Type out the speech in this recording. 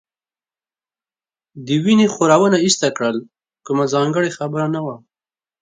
د وینې خورونه ایسته کړل، کومه ځانګړې خبره نه وه.